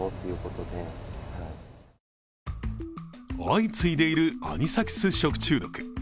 相次いでいるアニサキス食中毒。